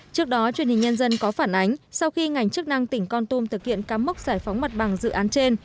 trước đó truyền hình nhân dân có phản ánh sau khi ngành chức năng tỉnh con tum thực hiện cám mức giải phóng mặt bằng dự án trên